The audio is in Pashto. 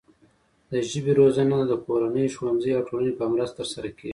د ژبې روزنه د کورنۍ، ښوونځي او ټولنې په مرسته ترسره کیږي.